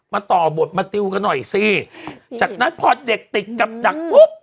ต่อบทมาติวกันหน่อยสิจากนั้นพอเด็กติดกับดักปุ๊บ